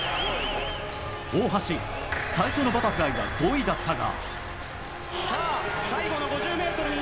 大橋、最初のバタフライは５位だったが。